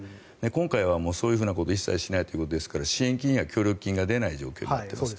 今回はそういうことは一切しないということですから支援金や協力金が出ない状況になっています。